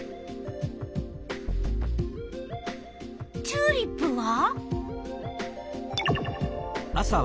チューリップは？